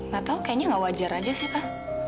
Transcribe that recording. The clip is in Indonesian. gak tahu kayaknya gak wajar aja sih pa